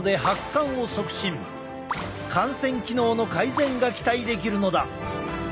汗腺機能の改善が期待できるのだ。